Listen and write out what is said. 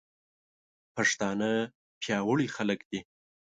پښتانه پياوړي خلک دي.